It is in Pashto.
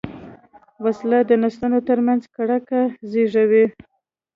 وسله د نسلونو تر منځ کرکه زېږوي